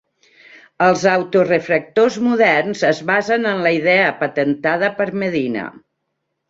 Els auto refractors moderns es basen en la idea patentada per Medina.